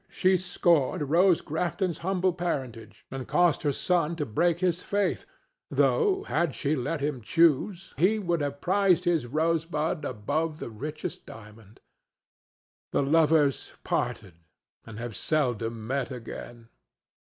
She scorned Rose Grafton's humble parentage and caused her son to break his faith, though, had she let him choose, he would have prized his Rosebud above the richest diamond. The lovers parted, and have seldom met again.